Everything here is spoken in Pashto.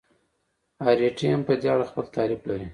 اریټي هم په دې اړه خپل تعریف لري.